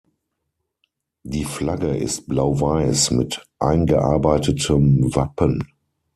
Die Flagge ist Blau-Weiß mit eingearbeitetem Wappen.